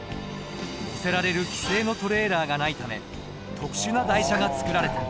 乗せられる既製のトレーラーがないため特殊な台車が作られた。